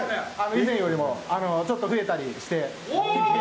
以前よりも、ちょっと増えたりして。